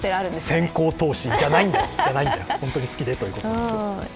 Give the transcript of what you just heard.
先行投資ということじゃないんですよ、本当に好きだということです。